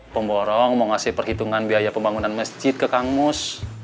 pemborong mau ngasih perhitungan biaya pembangunan masjid ke kangmus